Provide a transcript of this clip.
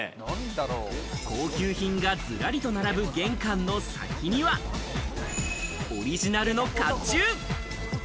高級品がずらりと並ぶ玄関の先にはオリジナルの甲冑。